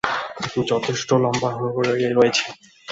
যথেষ্ট লম্বা রয়েছে।